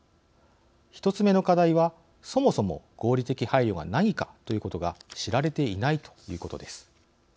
１つ目の課題はそもそも合理的配慮が何かということが知られていないということです。